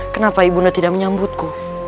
kenapa ibu nda tidak menyambutku